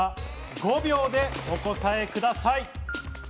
５秒でお答えください。